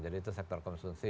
jadi itu sektor konsumsi